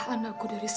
sara juga di atas